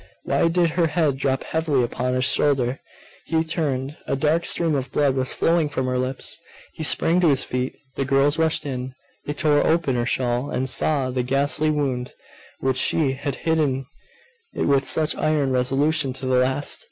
Why did her head drop heavily upon his shoulder? He turned a dark stream of blood was flowing from her lips! He sprang to his feet. The girls rushed in. They tore open her shawl, and saw the ghastly wound, which she had hidden with such iron resolution to the last.